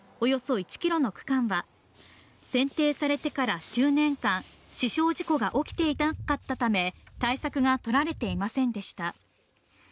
しかし、このうち今回の現場を含むおよそ１キロの区間は選定されてから１０年間、死傷事故が起きていなかったため、対策がとられていませんでした。